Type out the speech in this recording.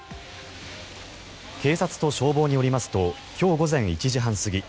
警察と消防によりますと今日午前１時半過ぎ